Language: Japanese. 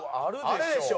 あるでしょ？